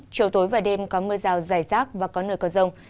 chiều tối và đêm có mưa rào dài rác và có nơi có rông